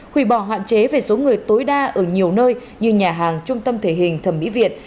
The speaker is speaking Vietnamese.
hủy bỏ hạn chế về số người tối đa ở nhiều nơi như nhà hàng trung tâm thể hình thẩm mỹ viện